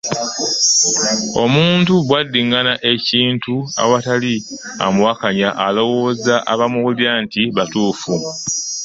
Omuntu bw'addingana ekintu awatali amuwakanya alowoozesa abamuwulira nti bituufu